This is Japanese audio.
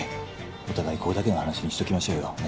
お互いここだけの話にしときましょうよね